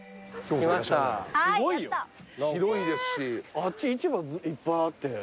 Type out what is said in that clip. あっち市場いっぱいあって。